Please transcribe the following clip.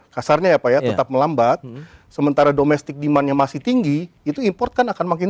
kasarnya ya pak ya tetap melambat sementara domestic demandnya masih tinggi itu import kan akan makin